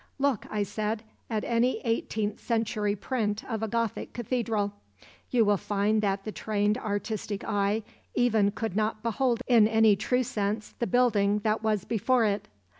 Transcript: "Look," I said, "at any eighteenth century print of a Gothic cathedral. You will find that the trained artistic eye even could not behold in any true sense the building that was before it.